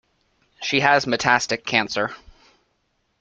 She has metastatic cancer.